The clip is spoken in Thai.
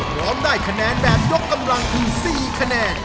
พร้อมได้คะแนนแบบยกกำลังคือ๔คะแนน